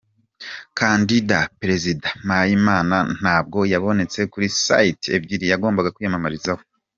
Kandida - Perezida Mpayimana ntabwo yabonetse kuri site ebyiri yagombaga kwiyamamarizaho.